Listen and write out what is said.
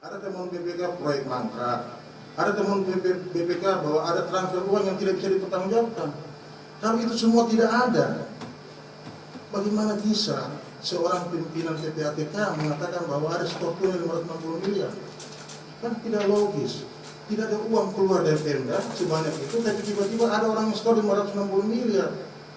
sebanyak itu tiba tiba ada orang yang setoran lima ratus enam puluh miliar